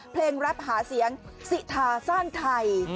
แรปหาเสียงสิทาสร้างไทย